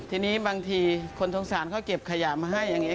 ทีนี้บางทีคนสงสารเขาเก็บขยะมาให้อย่างนี้